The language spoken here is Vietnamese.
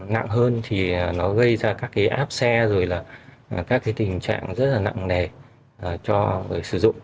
nặng hơn thì nó gây ra các cái app xe rồi là các cái tình trạng rất là nặng nề cho người sử dụng